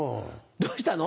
どうしたの？